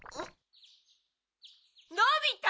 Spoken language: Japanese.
のび太！